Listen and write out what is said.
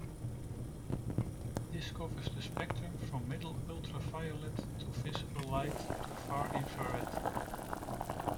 This covers the spectrum from middle ultraviolet to visible light to far infrared.